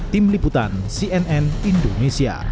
tim liputan cnn indonesia